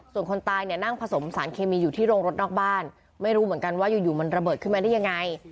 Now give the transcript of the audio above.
ส่วนคนตายเนี่ยนั่งผสมสารเคมีอยู่ที่โรงรถนอกบ้านไม่รู้เหมือนกันว่าอยู่มันระเบิดขึ้นมาได้ยังไง